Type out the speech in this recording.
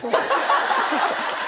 アハハハハ。